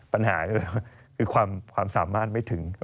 ปัญหาก็คือความสามารถไม่ถึง